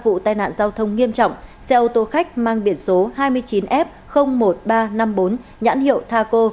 vụ tai nạn giao thông nghiêm trọng xe ô tô khách mang biển số hai mươi chín f một nghìn ba trăm năm mươi bốn nhãn hiệu taco